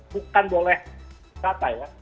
bukan boleh kata ya